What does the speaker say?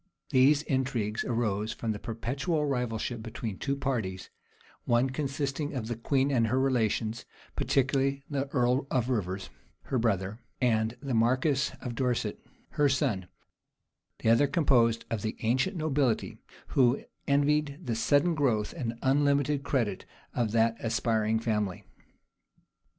These intrigues arose from the perpetual rivalship between two parties; one consisting of the queen and her relations, particularly the earl of Rivers, her brother, and the marquis of Dorset, her son; the other composed of the ancient nobility, who envied the sudden growth and unlimited credit of that aspiring family.